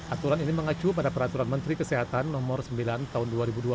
aturan ini mengacu pada peraturan menteri kesehatan no sembilan tahun dua ribu dua puluh